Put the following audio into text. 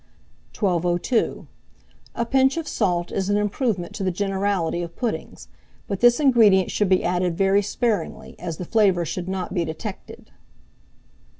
1202. A pinch of salt is an improvement to the generality of puddings; but this ingredient should be added very sparingly, as the flavour should not be detected.